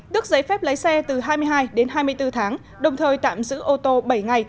đức giấy phép lấy xe từ hai mươi hai hai mươi bốn tháng đồng thời tạm giữ ô tô bảy ngày